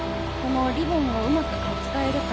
リボンをうまく使えるか。